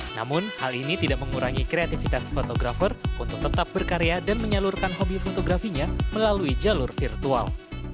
namun hal ini tidak mengurangi kreativitas fotografer untuk tetap berkarya dan menyalurkan hobi fotografinya melalui jalur virtual